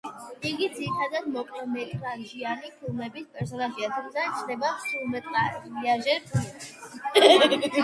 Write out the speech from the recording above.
იგი ძირითადად მოკლემეტრაჟიანი ფილმების პერსონაჟია, თუმცა ჩნდება სრულმეტრაჟიან ფილმებშიც.